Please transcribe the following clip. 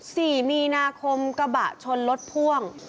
สี่มีนาคมกระบะชนรถพ่วง